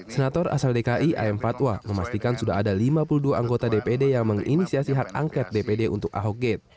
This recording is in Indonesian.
senator asal dki am fatwa memastikan sudah ada lima puluh dua anggota dpd yang menginisiasi hak angket dpd untuk ahok gate